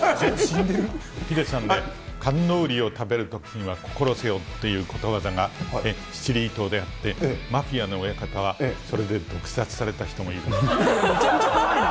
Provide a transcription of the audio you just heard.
ヒデさんね、カンノーリを食べるときには心せよっていうことわざがあって、シチリア島であって、マフィアの親方は、それで毒殺された人もいる。